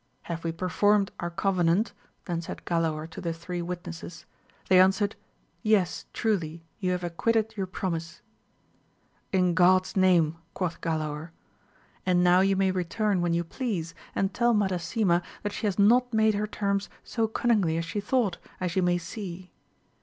Have we performed our covenant ? then said Galaor to the three witnesses ; they answered. Yes, truly, you have acquitted your promise. In God's name ! quoth Galaor, and now you may return when you please, and tell Madasima that she has not made her terms so cunningly as she thought, as you may see.